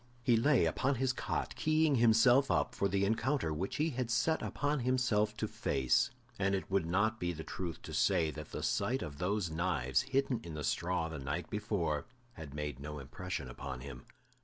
He lay upon his cot, keying himself up for the encounter which he had set upon himself to face, and it would not be the truth to say that the sight of those knives hidden in the straw the night before had made no impression upon him.